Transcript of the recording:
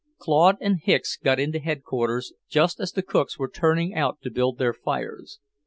Claude and Hicks got into Headquarters just as the cooks were turning out to build their fires.